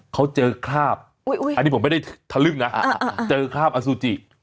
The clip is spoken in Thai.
เขาเจอคราบอันนี้ผมไม่ได้ทะลึ่งนะเจอคราบอสุจิ